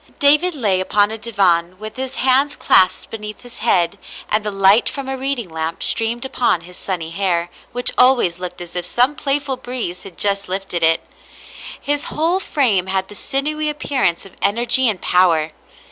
David lay upon a divan with his hands clasped beneath his head, and the light from a reading lamp streamed upon his sunny hair, which always looked as if some playful breeze had just lifted it. His whole frame had the sin ewy appearance of energy and power.